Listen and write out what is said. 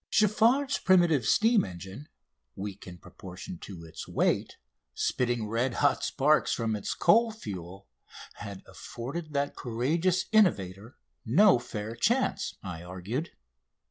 Giffard's primitive steam engine, weak in proportion to its weight, spitting red hot sparks from its coal fuel, had afforded that courageous innovator no fair chance, I argued.